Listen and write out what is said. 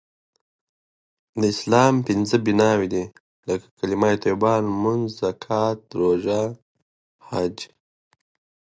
د دین او سیاست د بیلتون پایلي نهه دي.